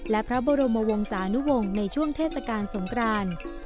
และพระบรมวงศานุวงศ์ในช่วงเทศกาลสงคราน